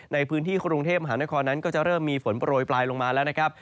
ในพื้นที่กรุงเทพมหานครนั้นก็จะเริ่มมีฝนโปรยปลายลงมาแล้วนะครับ